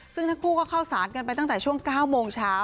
ซึ่งทั้งคู่ก็เข้าสารกันไปตั้งแต่ช่วง๙โมงเช้า